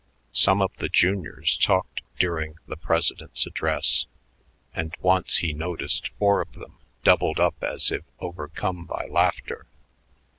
Some of the juniors talked during the president's address, and once he noticed four of them doubled up as if overcome by laughter.